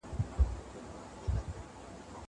کېدای سي امادګي نيمګړی وي!